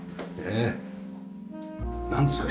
なんですか？